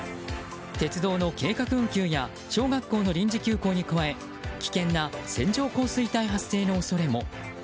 鉄道の計画運休や小学校の臨時休校に加え危険な線状降水帯発生の恐れも。